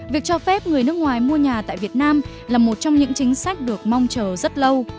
việc cho phép người nước ngoài mua nhà tại việt nam là một trong những chính sách được mong chờ rất lâu